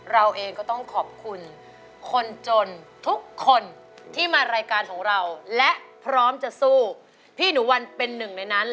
เราเองก็ต้องขอบคุณคนจนทุกคนที่มารายการของเราและพร้อมจะสู้พี่หนูวันเป็นหนึ่งในนั้น